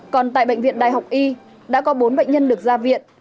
còn tại bệnh viện đại học y đã có bốn bệnh nhân được ra viện